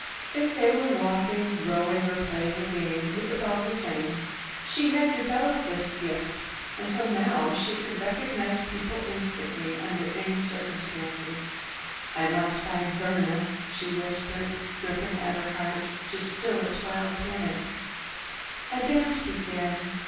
If they were walking, rowing or playing a game, it was all the same. She had developed this gift until now she could recognize people instantly under any circumstances. "I must find Verna," she whispered, gripping at her heart to still its wild panic. A dance began.